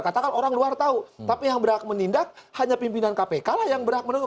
katakan orang luar tahu tapi yang berhak menindak hanya pimpinan kpk lah yang berhak menutup